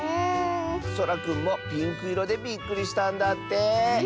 そらくんもピンクいろでびっくりしたんだって。